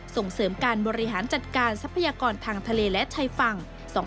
ส่งเสริมการบริหารจัดการทรัพยากรทางทะเลและชายฝั่ง